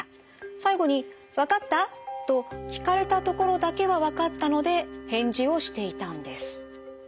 最後に「わかった？」と聞かれたところだけはわかったので返事をしていたんです。